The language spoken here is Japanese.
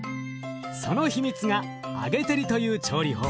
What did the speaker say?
その秘密が揚げ照りという調理法。